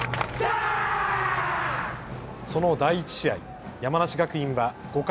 その第１試合、山梨学院は５回。